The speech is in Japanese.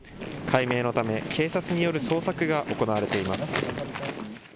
解明のため警察による捜索が行われています。